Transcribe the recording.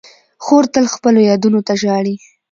خور تل خپلو یادونو ته ژاړي.